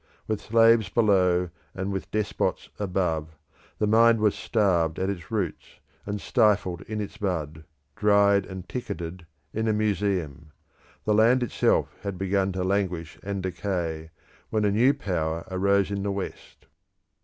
With slaves below and with despots above, the mind was starved in its roots, and stifled in its bud, dried and ticketed in a museum. The land itself had begun to languish and decay, when a new power arose in the West.